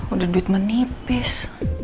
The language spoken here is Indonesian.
udah duit menipis